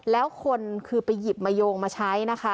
แล้วคนคือไปหยิบมาโยงมาใช้นะคะ